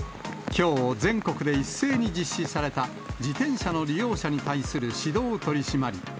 きょう、全国で一斉に実施された自転車の利用者に対する指導取締り。